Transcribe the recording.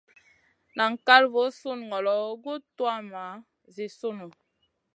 Nan kal voo sùn ŋolo guʼ tuwmaʼ Zi sunu.